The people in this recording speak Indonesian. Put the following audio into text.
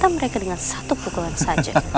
degertekaning ada agha gitu